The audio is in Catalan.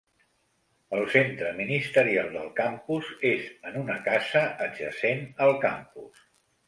El Centre Ministerial del campus és en una casa adjacent al campus.